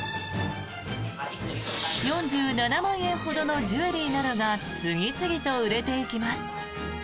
４７万円ほどのジュエリーなどが次々と売れていきます。